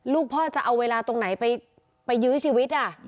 ลูกพ่อจะเอาเวลาตรงไหนไปยื้อชีวิต